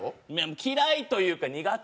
嫌いというか苦手。